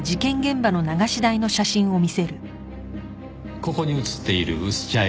ここに写っている薄茶色の粉